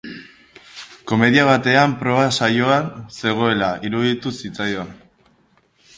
Komedia baten proba-saioan zegoela iruditu zi-tzaion.